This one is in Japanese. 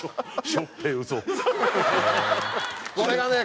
これがね